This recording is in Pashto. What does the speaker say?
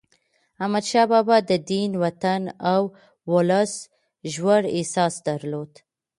احمدشاه بابا د دین، وطن او ولس ژور احساس درلود.